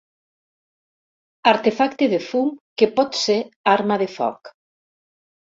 Artefacte de fum que pot ser arma de foc.